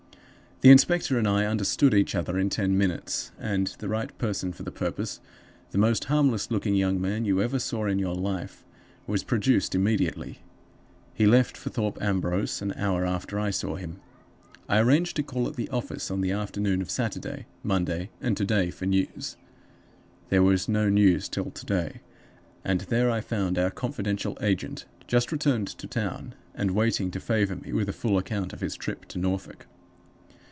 "The inspector and I understood each other in ten minutes; and the right person for the purpose the most harmless looking young man you ever saw in your life was produced immediately. He left for Thorpe Ambrose an hour after I saw him. I arranged to call at the office on the afternoons of Saturday, Monday, and to day for news. There was no news till to day; and there I found our confidential agent just returned to town, and waiting to favor me with a full account of his trip to Norfolk.